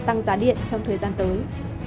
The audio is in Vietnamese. tăng giá điện trong thời gian tới